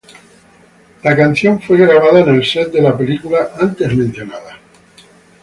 La canción fue grabada en el set de la película antes mencionada.